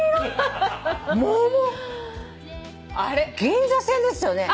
銀座線ですよね？